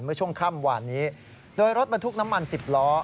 เมื่อช่วงค่ำหวานนี้โดยรถบรรทุกน้ำมัน๑๐ล้อ